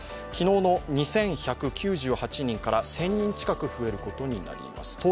昨日の２１９８人から１０００人近く増えることになります。